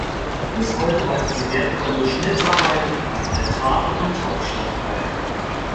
Bis heute weist sie wertvolle Schnitzarbeiten an Altar und Taufstein auf.